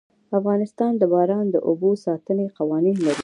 افغانستان د باران د اوبو د ساتنې قوانين لري.